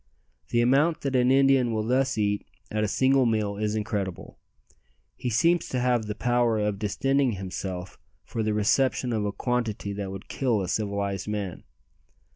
The amount that an Indian will thus eat at a single meal is incredible. He seems to have the power of distending himself for the reception of a quantity that would kill a civilized man.